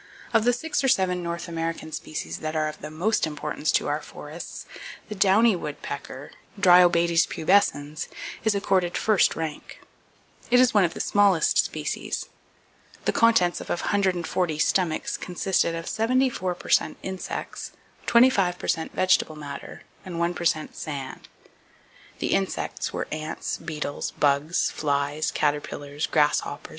Of the six or seven North American species that are of the most importance to our forests, the Downy Woodpecker, (Dryobates pubescens) is accorded first rank. It is one of the smallest species. The contents of 140 stomachs consisted of 74 per cent insects, 25 per cent vegetable matter and 1 per cent sand. The insects were ants, beetles, bugs, flies, caterpillars, grasshoppers and a few spiders.